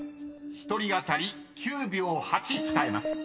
［１人当たり９秒８使えます］